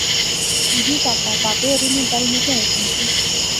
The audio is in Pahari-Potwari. جی پہاپا۔ پہاپے ہوریں نی گل میں کیا حکم سی